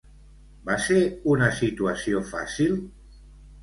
Va ser una situació fàcil?